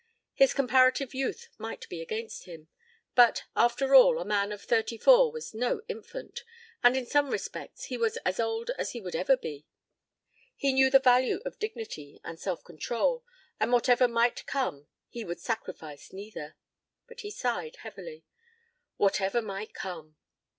His comparative youth might be against him, but after all a man of thirty four was no infant, and in some respects he was as old as he would ever be. He knew the value of dignity and self control, and whatever might come he would sacrifice neither. But he sighed heavily. "Whatever might come."